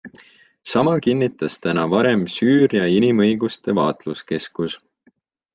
Sama kinnitas täna varem Süüria Inimõiguste Vaatluskeskus.